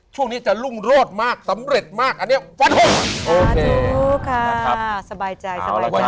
ช่วงนี้จะรุ่งโลดมากสำเร็จมากอันนี้วัน๖